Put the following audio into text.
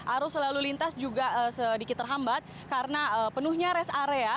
arus lalu lintas juga sedikit terhambat karena penuhnya rest area